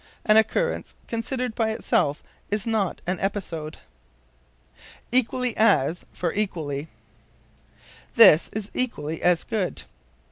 An occurrence considered by itself is not an episode. Equally as for Equally. "This is equally as good."